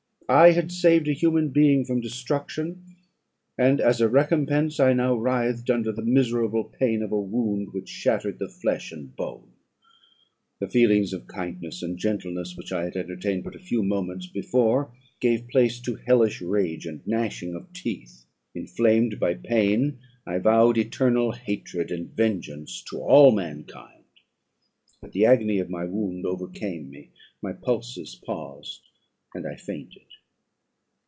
I had saved a human being from destruction, and, as a recompense, I now writhed under the miserable pain of a wound, which shattered the flesh and bone. The feelings of kindness and gentleness, which I had entertained but a few moments before, gave place to hellish rage and gnashing of teeth. Inflamed by pain, I vowed eternal hatred and vengeance to all mankind. But the agony of my wound overcame me; my pulses paused, and I fainted.